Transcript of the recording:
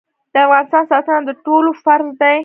د افغانستان ساتنه د ټولو فرض دی